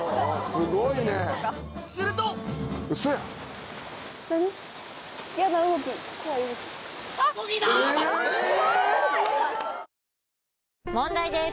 すごい！問題です！